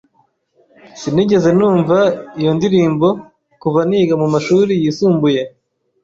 Sinigeze numva iyo ndirimbo kuva niga mumashuri yisumbuye.